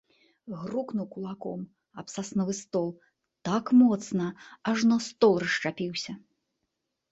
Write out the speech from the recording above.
Грукнуў кулаком аб сасновы стол так моцна, ажно стол расшчапіўся.